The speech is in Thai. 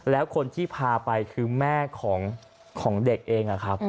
แล้วคนที่พาไปคือแม่ของเด็กเอง